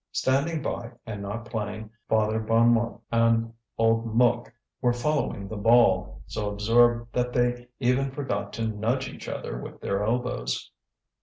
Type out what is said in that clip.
Standing by, and not playing, Father Bonnemort and old Mouque were following the ball, so absorbed that they even forgot to nudge each other with their elbows.